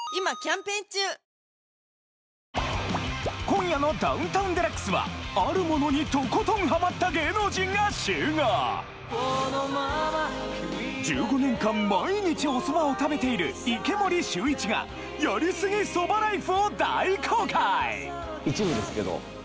今夜の『ダウンタウンＤＸ』はあるものにとことんハマった芸能人が集合１５年間毎日おそばを食べている池森秀一がやりすぎそばライフを大公開一部ですけど。